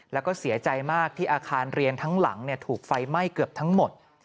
แล้วก็เสียใจมากที่อาคารเรียนทั้งหลังถูกไฟไหม้เกือบทั้งหมด